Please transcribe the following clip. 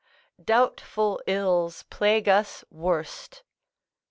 ["Doubtful ills plague us worst."